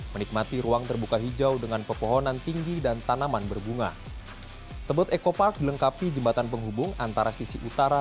menikmati ruang terbuka hijau dengan pepohonan tinggi dan tanaman berbunga